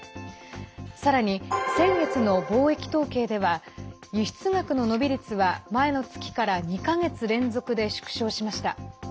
さらに、先月の貿易統計では輸出額の伸び率は前の月から２か月連続で縮小しました。